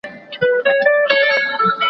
زه پرون د سبا لپاره د يادښتونه بشپړوم!؟